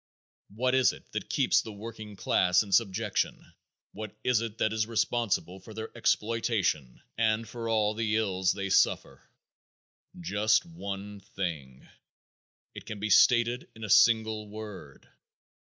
What is it that keeps the working class in subjection? What is it that is responsible for their exploitation and for all of the ills they suffer? Just one thing; it can be stated in a single word.